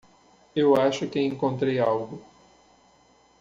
Eu acho que encontrei algo.